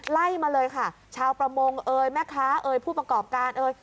ไล่มาเลยค่ะชาวประมงเอ่ยแม่ค้าเอ่ยผู้ประกอบการเอ่ย